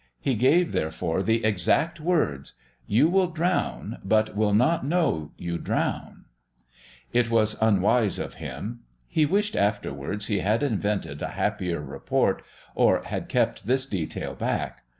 He gave, therefore, the exact words: "You will drown, but will not know you drown." It was unwise of him. He wished afterwards he had invented a happier report, or had kept this detail back.